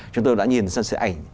chúng tôi đã nhìn sân xe ảnh